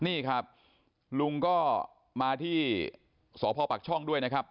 นี่ครับลุงก็มาที่สพปักช่องด้วยนะครับ